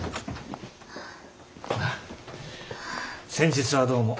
ああ先日はどうも。